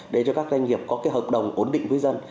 để cho các doanh nghiệp có cái hợp đồng ổn định với dân